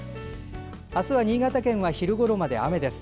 明日は新潟県は昼ごろまで雨です。